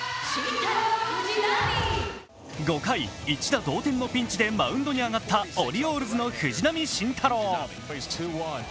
５回、一打同点のピンチでマウンドに上がったオリオールズの藤浪晋太郎。